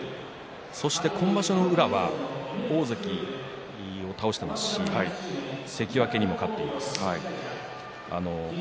そして今場所の宇良は大関を倒していますし関脇にも勝っています。